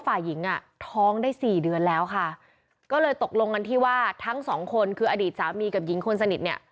ฝ่ายหญิงอ่ะท้องได้สี่เดือนแล้วค่ะก็เลยตกลงกันที่ว่าทั้งสองคนคืออดีตสามีกับหญิงคนสนิทเนี่ย